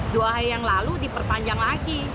dua hari yang lalu diperpanjang lagi